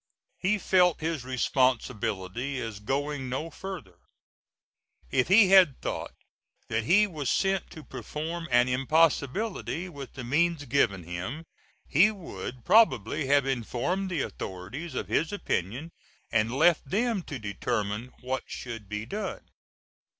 He felt his responsibility as going no further. If he had thought that he was sent to perform an impossibility with the means given him, he would probably have informed the authorities of his opinion and left them to determine what should be done.